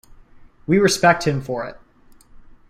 We respect him for it.